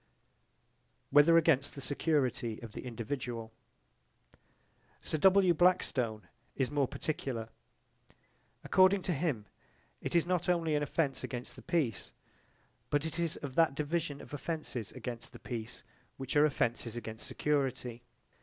Whether against the security of the individual Sir W. Blackstone is more particular. According to him it is not only an offence against the peace, but it is of that division of offences against the peace which are offences against security.